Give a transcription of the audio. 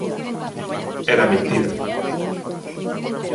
Era mentira.